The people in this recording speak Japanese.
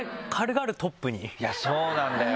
いやそうなんだよ